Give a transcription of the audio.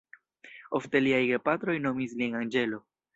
Ofte liaj gepatroj nomis lin anĝelo.